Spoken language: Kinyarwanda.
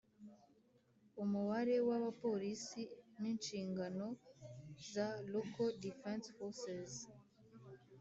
umubare w'abapolisi n'inshingano za “local defense forces"